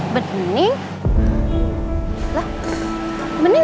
pemilih w catalog